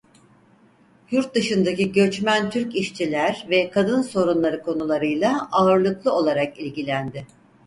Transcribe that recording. Yurt dışındaki göçmen Türk işçiler ve kadın sorunları konularıyla ağırlıklı olarak ilgilendi.